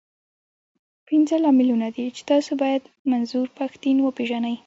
پنځه لاملونه دي، چې تاسو بايد منظور پښتين وپېژنئ.